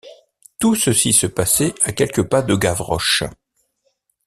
Tout ceci se passait à quelques pas de Gavroche.